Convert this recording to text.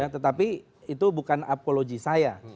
tetapi itu bukan apologi saya